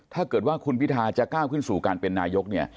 ถ้าเกิดว่าคุณพิทาจะก้าวขึ้นสู่การเป็นนายกเนี่ย